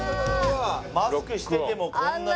マスクしててもこんなに。